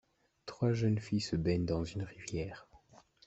Trois jeunes filles se baignent dans une rivière.